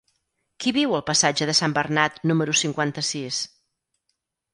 Qui viu al passatge de Sant Bernat número cinquanta-sis?